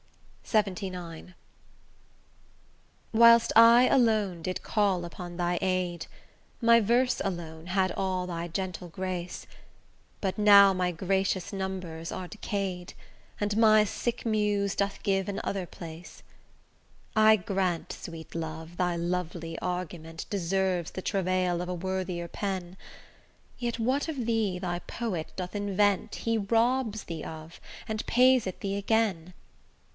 LXXIX Whilst I alone did call upon thy aid, My verse alone had all thy gentle grace; But now my gracious numbers are decay'd, And my sick Muse doth give an other place. I grant, sweet love, thy lovely argument Deserves the travail of a worthier pen; Yet what of thee thy poet doth invent He robs thee of, and pays it thee again.